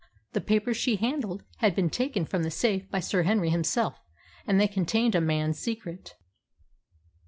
The papers she handled had been taken from the safe by Sir Henry himself. And they contained a man's secret.